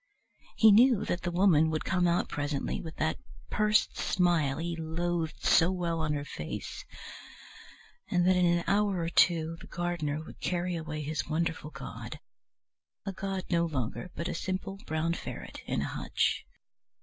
He knew that the Woman would come out presently with that pursed smile he loathed so well on her face, and that in an hour or two the gardener would carry away his wonderful god, a god no longer, but a simple brown ferret in a hutch.